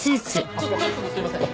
ちょっちょっとすいません！